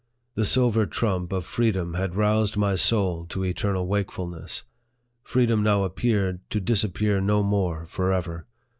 The silver trump of freedom had roused my soul to eternal wakefulness. Freedom now appeared, to disappear no more forever.